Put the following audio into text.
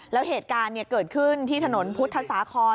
แล้วเหตุการณ์เกิดขึ้นที่ถนนพุทธสาคร